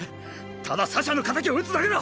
ただサシャの仇を討つだけだ！！